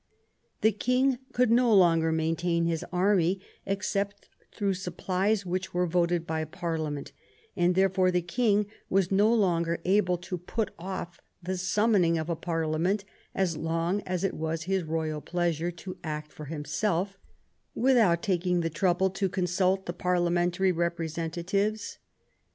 The King could no longer maintain his army except through sup plies which were voted by Parliament, and therefore the King was no longer able to put off the summoning of a Parliament as long as it was his royal pleasure to act for himself, without taking the trouble to consult the parliamentary representatives.